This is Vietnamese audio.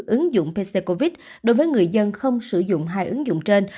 ứng dụng pc covid đối với người dân không sử dụng hai ứng dụng trên